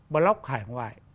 blog hải ngoại